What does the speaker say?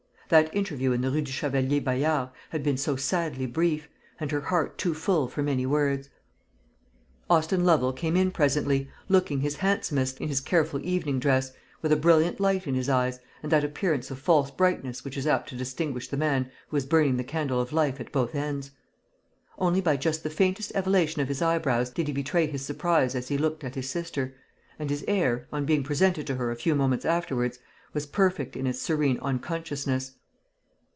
That interview in the Rue du Chevalier Bayard had been so sadly brief, and her heart too full for many words. Austin Lovel came in presently, looking his handsomest, in his careful evening dress, with a brilliant light in his eyes, and that appearance of false brightness which is apt to distinguish the man who is burning the candle of life at both ends. Only by just the faintest elevation of his eyebrows did he betray his surprise as he looked at his sister; and his air, on being presented to her a few moments afterwards, was perfect in its serene unconsciousness.